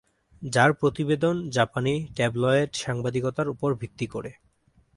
যার প্রতিবেদন জাপানি ট্যাবলয়েড সাংবাদিকতার উপর ভিত্তি করে।